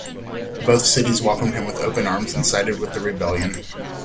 Both cities welcomed him with open arms and sided with the rebellion.